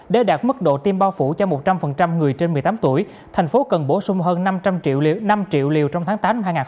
để đạt mức độ tiêm bao phủ cho một trăm linh người trên một mươi tám tuổi thành phố cần bổ sung hơn năm trăm linh triệu liều trong tháng tám hai nghìn hai mươi một